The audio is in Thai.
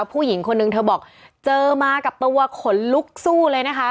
ผู้หญิงคนนึงเธอบอกเจอมากับตัวขนลุกสู้เลยนะคะ